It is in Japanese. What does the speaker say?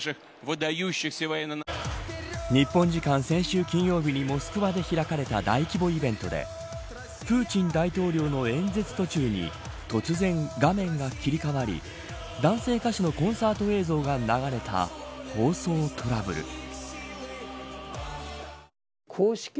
先週金曜日にモスクワで開かれた大規模イベントでプーチン大統領の演説途中に突然、画面が切り替わり男性歌手のコンサート映像が流れた放送トラブル。